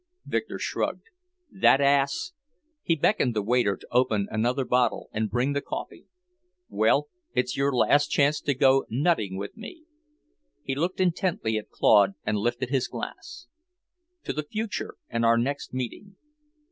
Victor shrugged. "That ass!" He beckoned the waiter to open another bottle and bring the coffee. "Well, it's your last chance to go nutting with me." He looked intently at Claude and lifted his glass. "To the future, and our next meeting!"